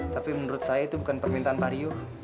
tapi menurut saya itu bukan permintaan pak riu